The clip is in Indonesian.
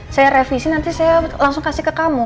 saya revisi nanti saya langsung kasih ketahuan